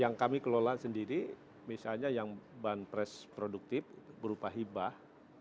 yang kami kelola sendiri misalnya yang banpres produktif berupa hibah